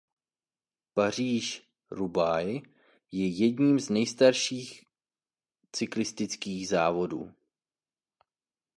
Paříž–Roubaix je jedním z nejstarších cyklistických závodů.